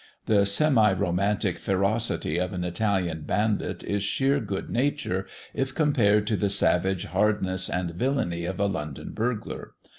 The semi romantic ferocity of an Italian bandit is sheer good nature, if compared to the savage hardness and villany of a London burglar.